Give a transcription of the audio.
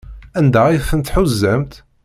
Anda ay tent-tḥuzamt?